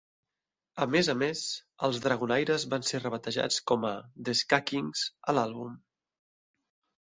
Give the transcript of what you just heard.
A més a més, els Dragonaires van ser rebatejats com a "The Ska Kings" a l'àlbum.